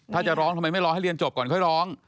ถ้าจะร้องทำไมไม่รอให้เรียนจบก่อนค่อยร้อง